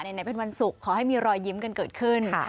ไหนเป็นวันศุกร์ขอให้มีรอยยิ้มกันเกิดขึ้น